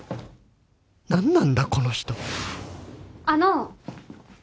何なんだこの人あの。